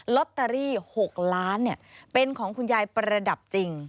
ลอตเตอรี่๖ล้านเป็นของคุณยายประดับจริง